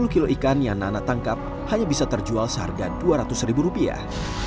sepuluh kilo ikan yang nana tangkap hanya bisa terjual seharga dua ratus ribu rupiah